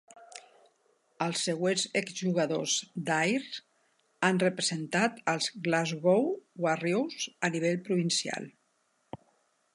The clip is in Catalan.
Els següents exjugadors d'Ayr han representat als Glasgow Warriors a nivell provincial.